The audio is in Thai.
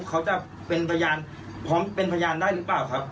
เขาจะเป็นพยานพร้อมเป็นพยานได้หรือเปล่าครับ